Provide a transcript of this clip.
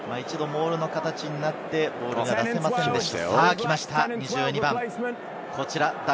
一度、モールの形になって、ボールが出せませんでした。